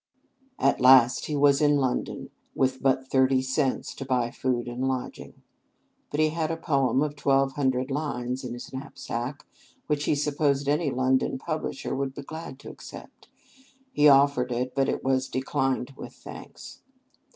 At last he was in London, with but thirty cents to buy food and lodging. But he had a poem of twelve hundred lines in his knapsack, which he supposed any London publisher would be glad to accept. He offered it; but it was "declined with thanks."